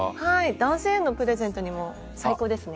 男性へのプレゼントにも最高ですね。